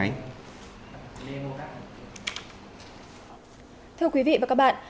xin chào quý vị và các bạn